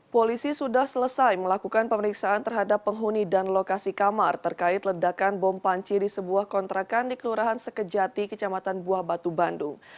polisi sudah selesai melakukan pemeriksaan terhadap penghuni dan lokasi kamar terkait ledakan bom panci di sebuah kontrakan di kelurahan sekejati kecamatan buah batu bandung